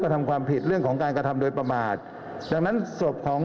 ทำความผิดเรื่องของการกระทำโดยประมาทดังนั้นศพของ